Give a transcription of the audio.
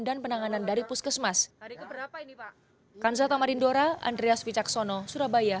dan penanganan dari puskesmas